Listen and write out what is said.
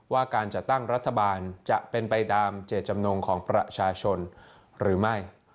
ว่าการจัดตั้งรัฐบาลจะเป็นไปตามเจตจำนงของประชาชนหรือไม่